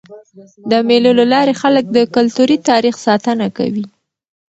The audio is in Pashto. د مېلو له لاري خلک د کلتوري تاریخ ساتنه کوي.